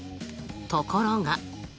ところが。